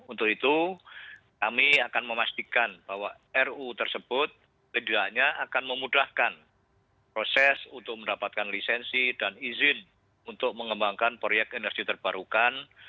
untuk itu kami akan memastikan bahwa ruu tersebut tidaknya akan memudahkan proses untuk mendapatkan lisensi dan izin untuk mengembangkan proyek energi terbarukan